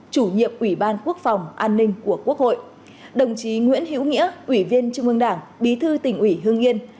chủ nhiệm ủy ban quốc phòng an ninh của quốc hội đồng chí nguyễn hữu nghĩa ủy viên trung ương đảng bí thư tỉnh ủy hương yên